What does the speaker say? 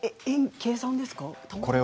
計算ですか？